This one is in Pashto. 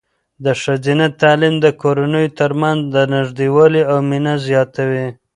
د ښځینه تعلیم د کورنیو ترمنځ نږدېوالی او مینه زیاتوي.